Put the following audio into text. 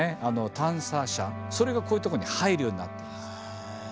それがこういうとこに入るようになってるんです。